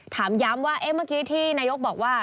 ถามย้ำว่าเมื่อกี้ที่นายกบอกว่า